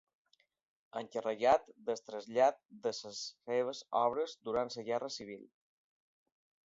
Encarregat del trasllat de les seves obres durant la Guerra Civil.